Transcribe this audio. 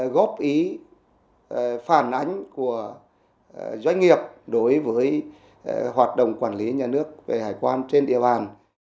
góp ý phản ánh của doanh nghiệp đối với hoạt động quản lý nhà nước về hải quan trên địa bàn